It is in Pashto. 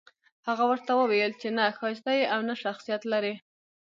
هغه ورته وويل چې نه ښايسته يې او نه شخصيت لرې.